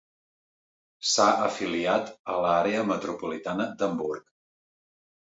S'ha afiliat a l'Àrea metropolitana d'Hamburg.